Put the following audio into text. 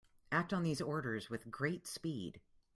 Act on these orders with great speed.